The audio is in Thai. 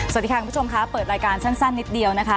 สวัสดีค่ะคุณผู้ชมค่ะเปิดรายการสั้นนิดเดียวนะคะ